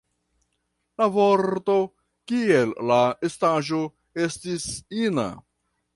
La vorto, kiel la estaĵo, estis ina.